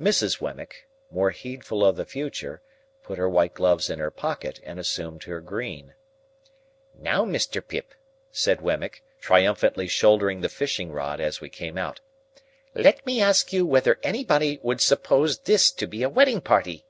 Mrs. Wemmick, more heedful of the future, put her white gloves in her pocket and assumed her green. "Now, Mr. Pip," said Wemmick, triumphantly shouldering the fishing rod as we came out, "let me ask you whether anybody would suppose this to be a wedding party!"